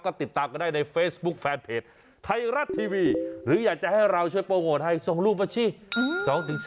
ก็ติดตามกันได้ในเฟซบุ๊คแฟนเพจไทยรัฐทีวีหรืออยากจะให้เราช่วยโปรโมทให้ส่งรูปมาสิ